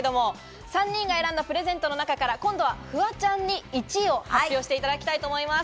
３人が選んだプレゼントの中からフワちゃんに１位を発表していただきたいと思います。